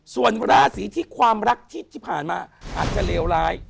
ส่วนราศีที่ความรักที่ผ่านมาอาจจะเลวร้าย